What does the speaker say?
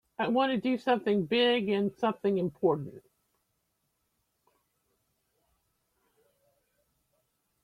I want to do something big and something important.